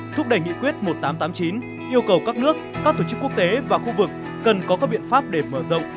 thúc đẩy nghị quyết một nghìn tám trăm tám mươi chín yêu cầu các nước các tổ chức quốc tế và khu vực cần có các biện pháp để mở rộng